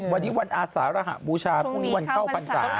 วันนี้วันอาสารหบูชาพรุ่งนี้วันเข้าพรรษา